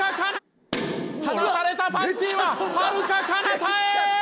放たれたパンティははるかかなたへ！